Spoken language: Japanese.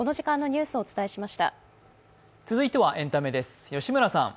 続いてはエンタメです。